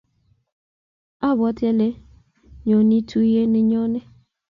abwatii ale nyonii tuuye nenyone.